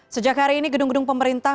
sejak hari ini gedung gedung pemerintah